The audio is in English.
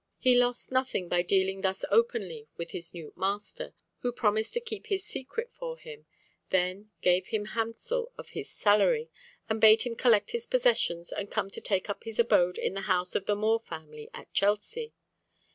He lost nothing by dealing thus openly with his new master, who promised to keep his secret for him, then gave him handsel of his salary, and bade him collect his possessions, and come to take up his abode in the house of the More family at Chelsea.